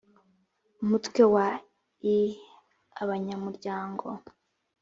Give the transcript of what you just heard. umutwe wa ii abanyamuryango